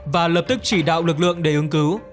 và lập tức chỉ đạo lực lượng để ứng cứu